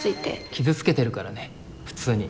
傷つけてるからね普通に。